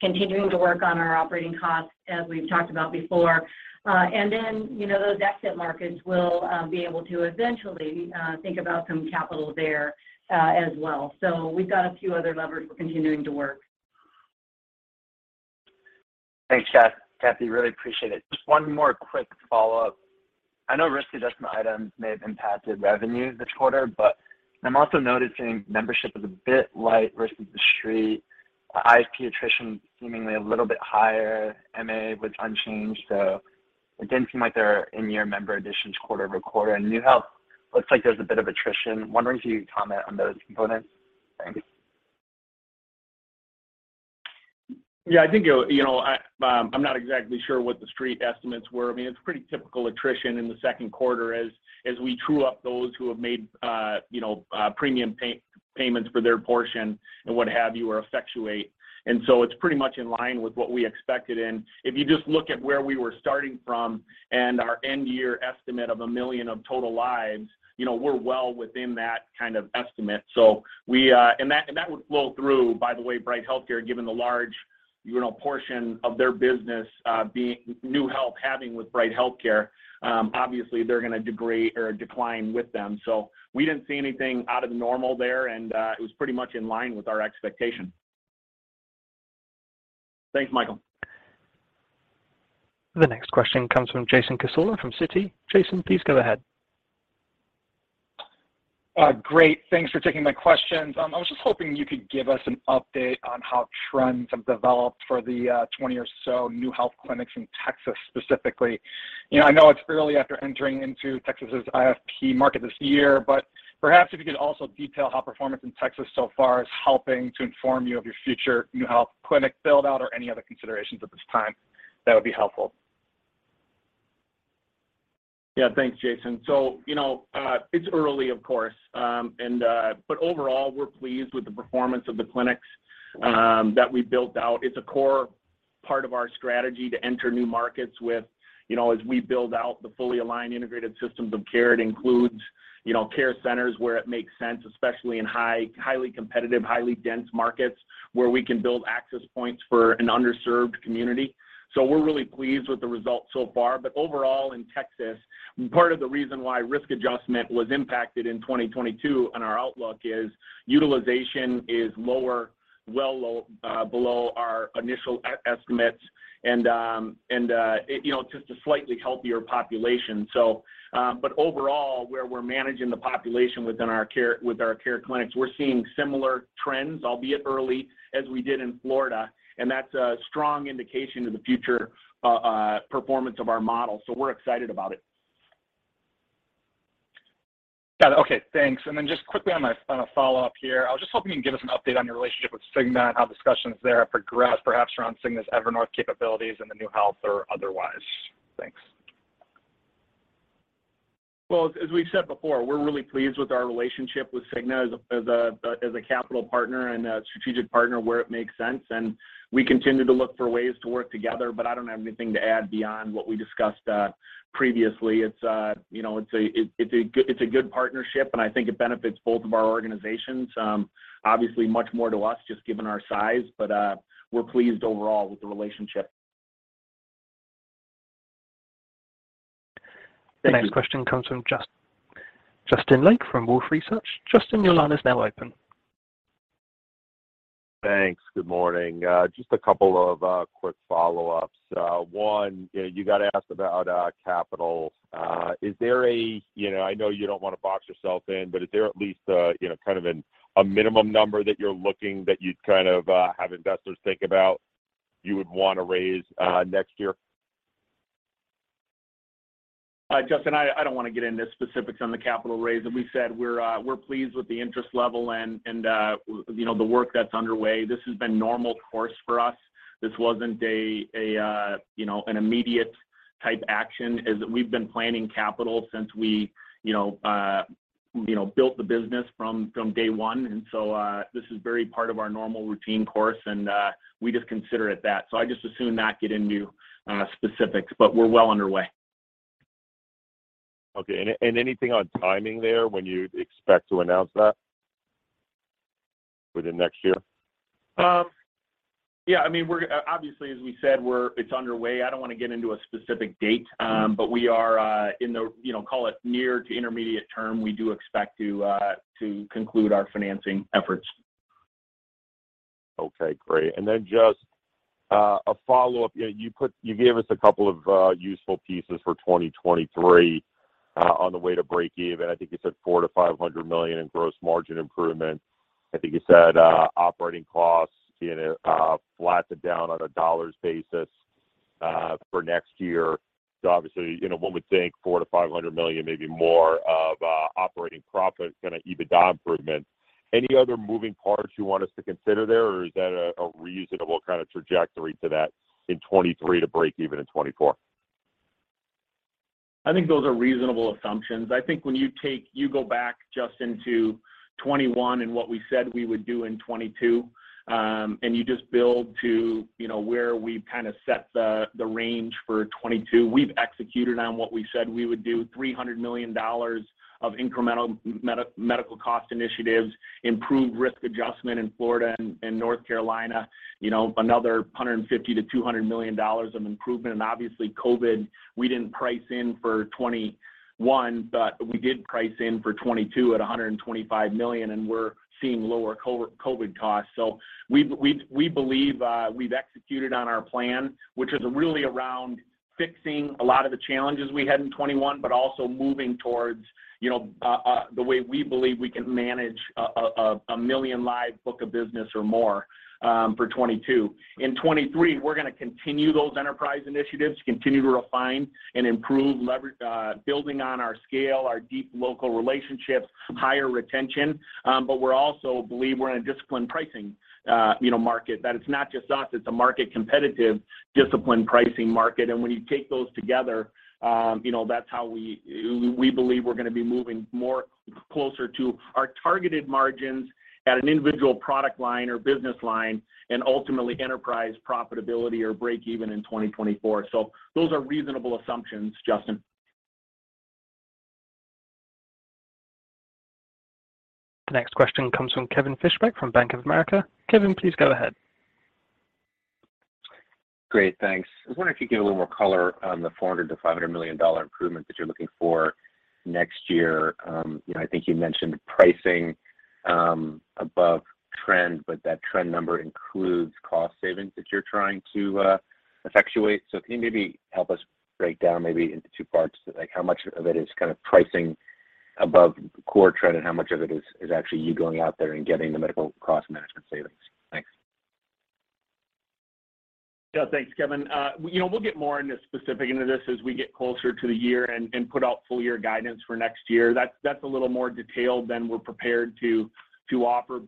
continuing to work on our operating costs as we've talked about before. You know, those exit markets will be able to eventually think about some capital there, as well. We've got a few other levers we're continuing to work. Thanks, Cathy. Really appreciate it. Just one more quick follow-up. I know risk adjustment items may have impacted revenue this quarter, but I'm also noticing membership is a bit light versus the street. IFP attrition seemingly a little bit higher, MA was unchanged, so it didn't seem like there are in-year member additions quarter-over-quarter. NeueHealth looks like there's a bit of attrition. Wondering if you could comment on those components. Thanks. Yeah. I think, you know, I'm not exactly sure what the street estimates were. I mean, it's pretty typical attrition in the second quarter as we true up those who have made premium payments for their portion and what have you or effectuate. It's pretty much in line with what we expected. If you just look at where we were starting from and our end-year estimate of 1 million total lives, you know, we're well within that kind of estimate. That would flow through, by the way, Bright HealthCare, given the large, you know, portion of their business being NeueHealth having with Bright HealthCare, obviously they're gonna degrade or decline with them. We didn't see anything out of the normal there, and it was pretty much in line with our expectation. Thanks, Michael. The next question comes from Jason Cassorla from Citi. Jason, please go ahead. Great. Thanks for taking my questions. I was just hoping you could give us an update on how trends have developed for the 20 or so NeueHealth clinics in Texas specifically. You know, I know it's early after entering into Texas' IFP market this year, but perhaps if you could also detail how performance in Texas so far is helping to inform you of your future NeueHealth clinic build-out or any other considerations at this time, that would be helpful. Yeah. Thanks, Jason. You know, it's early of course, but overall, we're pleased with the performance of the clinics that we built out. It's a core part of our strategy to enter new markets with, you know, as we build out the fully aligned integrated systems of care. It includes, you know, care centers where it makes sense, especially in highly competitive, highly dense markets where we can build access points for an underserved community. We're really pleased with the results so far. Overall, in Texas, part of the reason why risk adjustment was impacted in 2022 on our outlook is utilization is lower, below our initial estimates and it you know just a slightly healthier population. Overall, where we're managing the population with our care clinics, we're seeing similar trends, albeit early, as we did in Florida, and that's a strong indication of the future performance of our model, so we're excited about it. Got it. Okay. Thanks. Just quickly on a follow-up here. I was just hoping you can give us an update on your relationship with Cigna and how discussions there have progressed, perhaps around Cigna's Evernorth capabilities and the NeueHealth or otherwise. Thanks. Well, as we've said before, we're really pleased with our relationship with Cigna as a capital partner and a strategic partner where it makes sense, and we continue to look for ways to work together, but I don't have anything to add beyond what we discussed previously. It's you know, it's a good partnership, and I think it benefits both of our organizations. Obviously much more to us just given our size, but we're pleased overall with the relationship. The next question comes from Justin Lake from Wolfe Research. Justin, your line is now open. Thanks. Good morning. Just a couple of quick follow-ups. One, you know, you got asked about our capital. Is there a. You know, I know you don't wanna box yourself in, but is there at least a, you know, kind of a minimum number that you're looking you'd kind of have investors think about you would wanna raise next year? Justin, I don't wanna get into specifics on the capital raise. As we said, we're pleased with the interest level and, you know, the work that's underway. This has been normal course for us. This wasn't an immediate type action, as we've been planning capital since we you know, you know, built the business from day one. This is very part of our normal routine course, and we just consider it that. I'd just as soon not get into specifics. We're well underway. Okay. Anything on timing there, when you'd expect to announce that within next year? Yeah, I mean, obviously, as we said, it's underway. I don't wanna get into a specific date. We are in the, you know, call it near to intermediate term. We do expect to conclude our financing efforts. Okay, great. And then just a follow-up. You gave us a couple of useful pieces for 2023 on the way to breakeven. I think you said $400 million-$500 million in gross margin improvement. I think you said operating costs, you know, flattened down on a dollars basis for next year. Obviously, you know, one would think $400 million-$500 million, maybe more of operating profit kind of EBITDA improvement. Any other moving parts you want us to consider there, or is that a reasonable kind of trajectory to that in 2023 to break even in 2024? I think those are reasonable assumptions. I think when you go back, Justin, to 2021 and what we said we would do in 2022, and you just build to, you know, where we've kind of set the range for 2022. We've executed on what we said we would do. $300 million of incremental medical cost initiatives, improved risk adjustment in Florida and North Carolina. You know, another $150-$200 million of improvement. Obviously COVID, we didn't price in for 2021, but we did price in for 2022 at $125 million, and we're seeing lower COVID costs. We believe we've executed on our plan, which is really around fixing a lot of the challenges we had in 2021, but also moving towards you know the way we believe we can manage 1 million live book of business or more for 2022. In 2023, we're gonna continue those enterprise initiatives, continue to refine and improve building on our scale, our deep local relationships, higher retention. We also believe we're in a disciplined pricing you know market. That it's not just us, it's a market competitive disciplined pricing market. When you take those together you know that's how we believe we're gonna be moving more closer to our targeted margins at an individual product line or business line, and ultimately enterprise profitability or breakeven in 2024. Those are reasonable assumptions, Justin. The next question comes from Kevin Fischbeck from Bank of America. Kevin, please go ahead. Great, thanks. I was wondering if you could give a little more color on the $400 million-$500 million improvement that you're looking for next year. You know, I think you mentioned pricing above trend, but that trend number includes cost savings that you're trying to effectuate. Can you maybe help us break down maybe into two parts, like how much of it is kind of pricing above core trend and how much of it is actually you going out there and getting the medical cost management savings? Thanks. Yeah. Thanks, Kevin. You know, we'll get more into specifics on this as we get closer to the year and put out full year guidance for next year. That's a little more detailed than we're prepared to offer.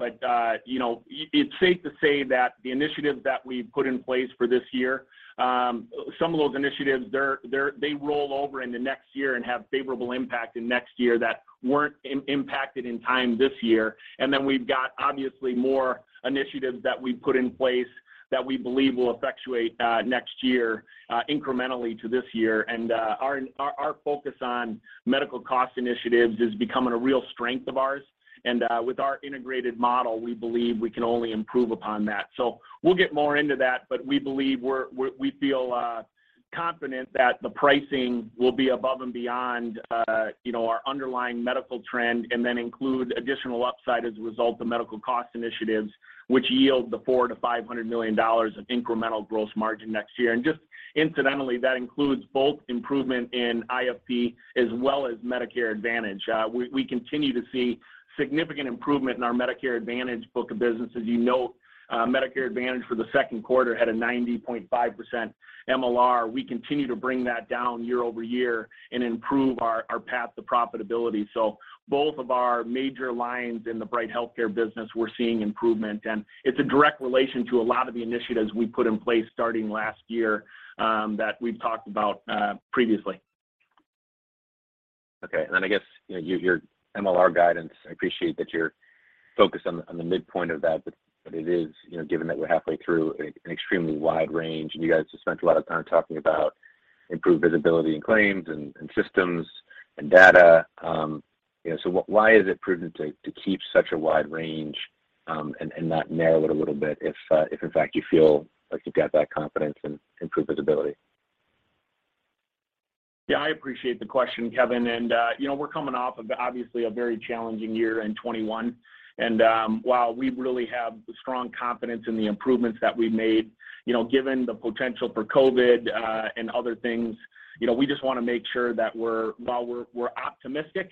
You know, it's safe to say that the initiatives that we've put in place for this year, some of those initiatives, they roll over into next year and have favorable impact in next year that weren't impacted in time this year. We've got obviously more initiatives that we've put in place that we believe will effectuate next year incrementally to this year. Our focus on medical cost initiatives is becoming a real strength of ours. With our integrated model, we believe we can only improve upon that. We'll get more into that, but we believe we feel confident that the pricing will be above and beyond, you know, our underlying medical trend, and then include additional upside as a result of medical cost initiatives, which yield $400 million-$500 million of incremental gross margin next year. Just incidentally, that includes both improvement in IFP as well as Medicare Advantage. We continue to see significant improvement in our Medicare Advantage book of business. As you know, Medicare Advantage for the second quarter had a 90.5% MLR. We continue to bring that down year-over-year and improve our path to profitability. Both of our major lines in the Bright HealthCare business, we're seeing improvement. It's a direct relation to a lot of the initiatives we put in place starting last year, that we've talked about, previously. Okay. I guess, you know, your MLR guidance, I appreciate that you're focused on the midpoint of that. It is, you know, given that we're halfway through an extremely wide range, and you guys have spent a lot of time talking about improved visibility in claims and systems and data, you know, why is it prudent to keep such a wide range, and not narrow it a little bit if in fact you feel like you've got that confidence in profitability? Yeah, I appreciate the question, Kevin. You know, we're coming off of obviously a very challenging year in 2021, and while we really have strong confidence in the improvements that we made, you know, given the potential for COVID and other things, you know, we just wanna make sure that while we're optimistic,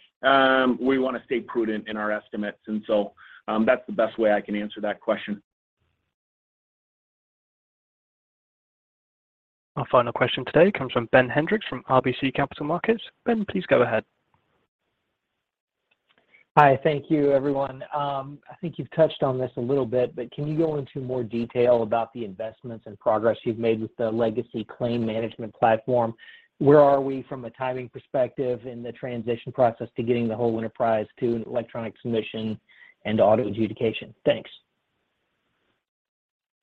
we wanna stay prudent in our estimates. That's the best way I can answer that question. Our final question today comes from Ben Hendrix from RBC Capital Markets. Ben, please go ahead. Hi. Thank you everyone. I think you've touched on this a little bit, but can you go into more detail about the investments and progress you've made with the legacy claim management platform? Where are we from a timing perspective in the transition process to getting the whole enterprise to an electronic submission and auto adjudication? Thanks.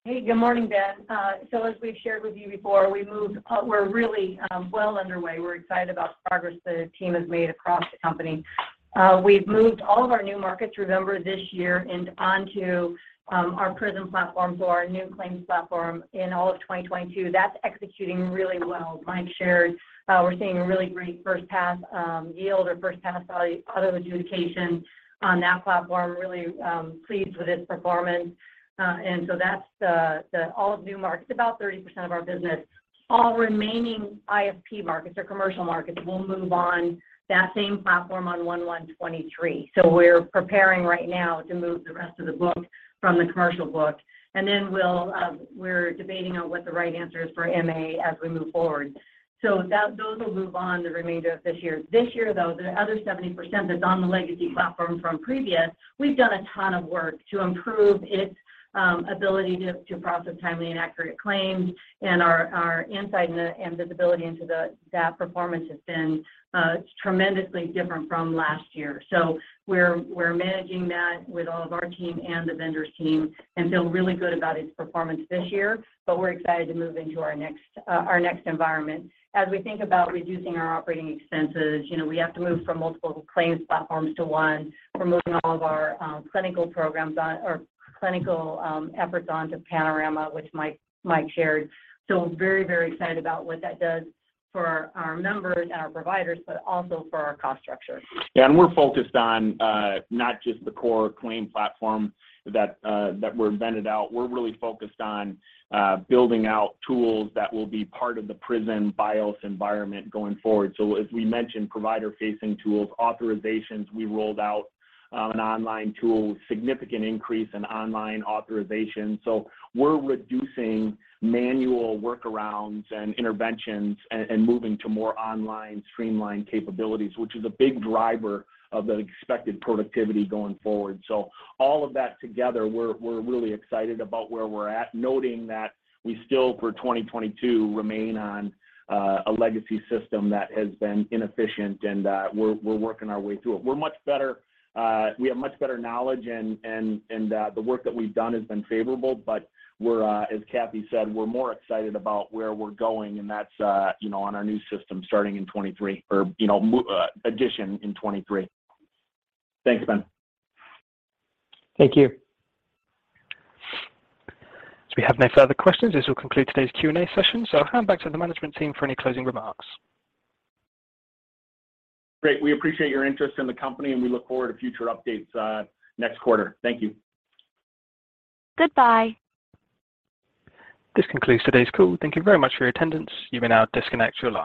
Hey, good morning, Ben. So as we've shared with you before, we're really well underway. We're excited about the progress the team has made across the company. We've moved all of our new markets, remember, this year and onto our Prism platform, so our new claims platform in all of 2022. That's executing really well. Mike shared, we're seeing a really great first pass yield or first pass auto adjudication on that platform. We're really pleased with its performance. That's the all of new markets, about 30% of our business. All remaining IFP markets or commercial markets will move on that same platform on 1/1/2023. We're preparing right now to move the rest of the book from the commercial book, and then we're debating on what the right answer is for MA as we move forward. Those will move in the remainder of this year. This year though, the other 70% that's on the legacy platform from previous, we've done a ton of work to improve its ability to process timely and accurate claims, and our insight and visibility into that performance has been tremendously different from last year. We're managing that with all of our team and the vendors team and feel really good about its performance this year, but we're excited to move into our next environment. As we think about reducing our operating expenses, you know, we have to move from multiple claims platforms to one. We're moving all of our clinical programs and clinical efforts onto Panorama, which Mike shared. Very excited about what that does for our members and our providers, but also for our cost structure. Yeah. We're focused on not just the core claim platform that we're built out. We're really focused on building out tools that will be part of the Prism BiOS environment going forward. As we mentioned, provider facing tools, authorizations, we rolled out an online tool, significant increase in online authorization. We're reducing manual workarounds and interventions and moving to more online streamlined capabilities, which is a big driver of the expected productivity going forward. All of that together, we're really excited about where we're at, noting that we still for 2022 remain on a legacy system that has been inefficient and we're working our way through it. We're much better, we have much better knowledge and the work that we've done has been favorable, but we're, as Cathy said, we're more excited about where we're going and that's, you know, on our new system starting in 2023, or, you know, adoption in 2023. Thanks, Ben. Thank you. We have no further questions. This will conclude today's Q&A session. I'll hand back to the management team for any closing remarks. Great. We appreciate your interest in the company, and we look forward to future updates, next quarter. Thank you. Goodbye. This concludes today's call. Thank you very much for your attendance. You may now disconnect your line.